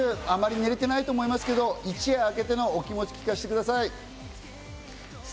あまり眠れていないと思いますけれども一夜明けてのお気持ちを聞かせてください。